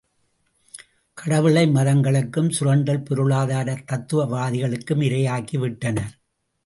கடவுளை, மதங்களுக்கும் சுரண்டல் பொருளாதாரத் தத்துவவாதிகளுக்கும் இரையாக்கி விட்டனர்.